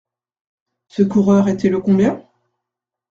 Ce coureur était le combien ?